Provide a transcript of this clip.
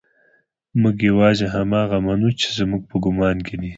موږ يوازې هماغه منو چې زموږ په ګمان کې دي.